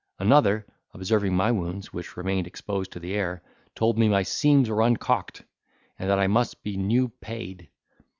Another, observing my wounds, which remained exposed to the air, told me, my seams were uncaulked, and that I must be new payed.